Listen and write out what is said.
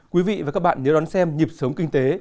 quý vị và các bạn nhớ đón xem nhịp sống kinh tế